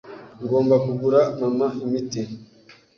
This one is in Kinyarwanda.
Ngomba kugura mama imiti.